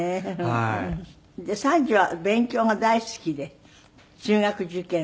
で三女は勉強が大好きで中学受験を。